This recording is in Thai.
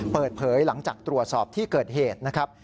เปิดเผยหลังจากตรวจสอบที่เกิดเหตุนะครับ